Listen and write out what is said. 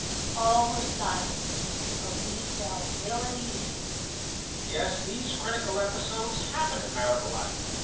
All were silent, but we felt ill at ease. "Yes, these critical episodes happen in marital life.